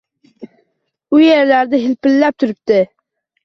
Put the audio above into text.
U yellarda hilpirab turibdi.